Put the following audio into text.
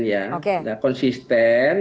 ya oke nah konsisten